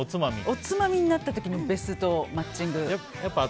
おつまみになった時のベストマッチング。